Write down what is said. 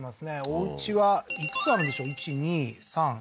おうちはいくつあるんでしょう？